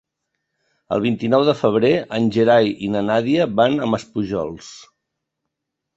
El vint-i-nou de febrer en Gerai i na Nàdia van a Maspujols.